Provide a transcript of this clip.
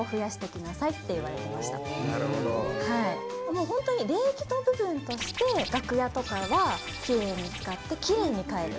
もうホントに礼儀の部分として楽屋とかはきれいに使ってきれいに帰る。